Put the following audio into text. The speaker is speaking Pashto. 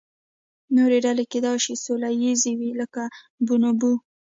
نورې ډلې کیدای شي سوله ییزې وي، لکه بونوبو.